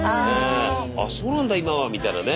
「あっそうなんだ今は」みたいなね。